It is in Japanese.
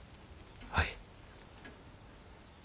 はい。